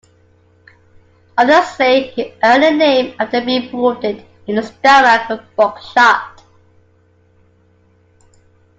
Others say he earned the name after being wounded in the stomach with buckshot.